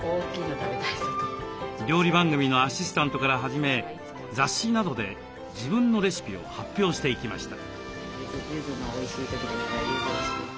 料理番組のアシスタントから始め雑誌などで自分のレシピを発表していきました。